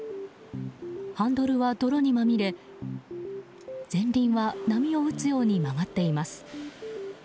ハンドルは泥にまみれ前輪は波を打つように曲がっています。